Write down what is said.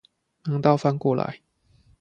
忙到翻過來